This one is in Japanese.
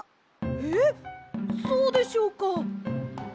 えっそうでしょうか？